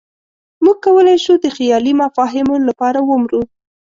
موږ کولی شو د خیالي مفاهیمو لپاره ومرو.